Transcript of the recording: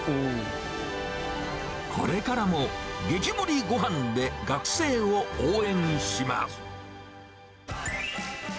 これからも激盛りごはんで、学生を応援します。